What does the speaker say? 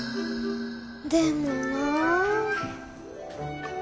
でもなあ